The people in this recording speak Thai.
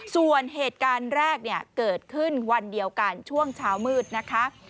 ส่วนเหตุการณ์แรกเนี่ยเกิดขึ้นวันเดียวกันช่วงเช้ามืดนะคะ